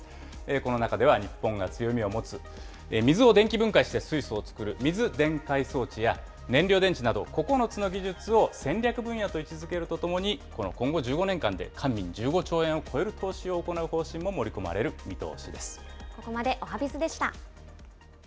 この中では日本が強みを持つ、水を電気分解して水素を作る水電解装置や、燃料電池など９つの技術を戦略分野と位置づけるとともに、今後１５年間で官民で１５兆円を超える投資を行う方針も盛り込まれる見通しです。